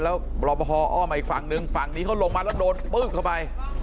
แล้วรอปภอ้อมมาอีกฝั่งนึงฝั่งนี้เขาลงมาแล้วโดนปื๊บเข้าไป